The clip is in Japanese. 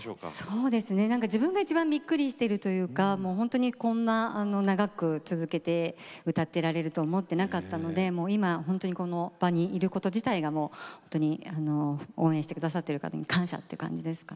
そうですねなんか自分が一番びっくりしてるというかほんとにこんな長く続けて歌っていられると思ってなかったので今ほんとにこの場にいること自体がもうほんとに応援して下さってる方に感謝って感じですかね。